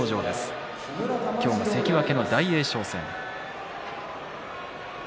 今日は関脇の大栄翔戦です。